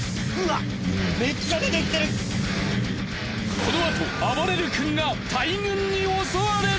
このあとあばれる君が大群に襲われる。